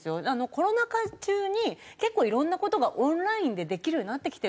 コロナ禍中に結構いろんな事がオンラインでできるようになってきてるじゃないですか。